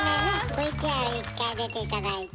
ＶＴＲ１回出て頂いて。